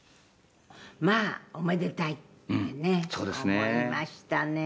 「まあおめでたいってね思いましたね」